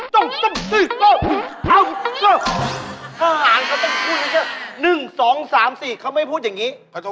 ทหารเขาต้องพูดอย่างนี้เจ้า